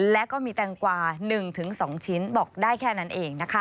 และก็มีแตงกว่า๑๒ชิ้นบอกได้แค่นั้นเองนะคะ